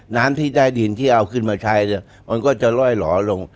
น้ำที่ใต้ดินที่เอาขึ้นมาใช้เนี่ยมันก็จะล่อยหล่อลง